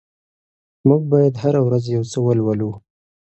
موږ بايد هره ورځ يو څه ولولو.